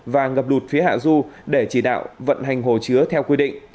và ngập lụt phía hạ du để chỉ đạo vận hành hồ chứa theo quy định